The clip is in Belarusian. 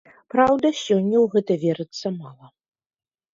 Праўда, сёння ў гэта верыцца мала.